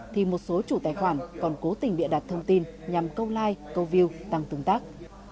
thì một số chủ tài khoản còn cố tình bịa đặt thông tin nhằm câu like câu view tăng tương tác